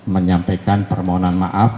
menyampaikan permohonan maaf